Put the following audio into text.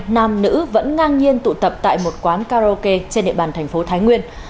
hai mươi hai nam nữ vẫn ngang nhiên tụ tập tại một quán karaoke trên địa bàn thành phố thái nguyên